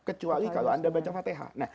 kecuali kalau anda baca fatihah